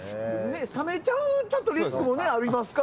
冷めちゃうリスクもありますから。